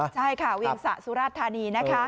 ใช่ค่ะเวียงสระสุรธานี